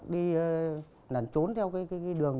đi nằn trốn theo cái đường